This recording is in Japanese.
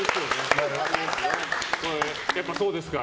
やっぱそうですか。